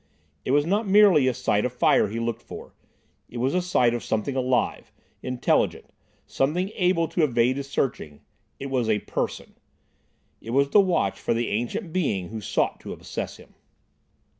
It was not merely a sight of fire he looked for; it was a sight of something alive, intelligent, something able to evade his searching; it was a person. It was the watch for the ancient Being who sought to obsess him.